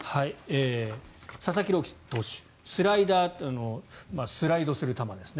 佐々木朗希投手、スライダースライドする球ですね